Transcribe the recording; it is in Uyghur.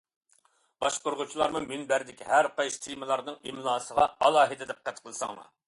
باشقۇرغۇچىلارمۇ مۇنبەردىكى ھەر قايسى تېمىلارنىڭ ئىملاسىغا ئالاھىدە دىققەت قىلساڭلار.